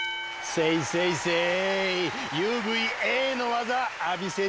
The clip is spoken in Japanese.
セイセイセイ！